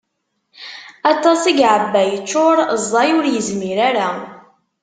Aṭas i yeɛebba yeččur, ẓẓay ur yezmir ara.